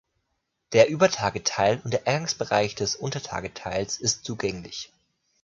Der Übertageteil und der Eingangsbereich des Untertageteils ist zugänglich.